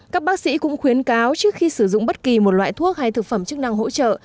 các bác sĩ cũng khuyến cáo trước khi sử dụng bất kỳ một loại thuốc hay thực phẩm chức năng hỗ trợ